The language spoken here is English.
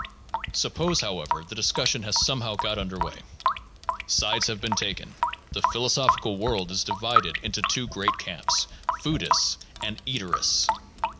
Suppose, however, the discussion has somehow got under way. Sides have been taken; the philosophical world is divided into two great camps, "foodists" and "eaterists."